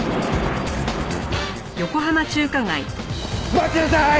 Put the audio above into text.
待ちなさい！